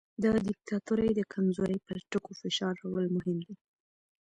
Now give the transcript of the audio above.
د دیکتاتورۍ د کمزورۍ پر ټکو فشار راوړل مهم دي.